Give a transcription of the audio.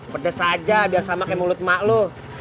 pedes aja biar sama kayak mulut mak lu